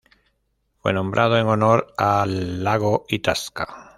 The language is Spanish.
Fue nombrado en honor al lago Itasca.